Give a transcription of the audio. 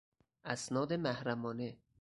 اسناد محرمانه